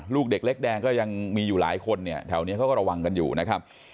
ลูกเด็กเล็กแดงก็ยังมีอยู่หลายคนเนี่ยแถวนี้เขาก็ระวังกันอยู่นะครับ